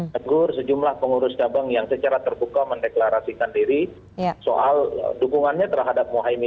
tegur sejumlah pengurus cabang yang secara terbuka mendeklarasikan diri soal dukungannya terhadap mohaimin